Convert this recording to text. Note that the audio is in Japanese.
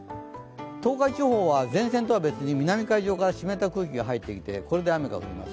東海地方は前線とは別に南海上から湿った空気が入ってきてこれで雨が降ります。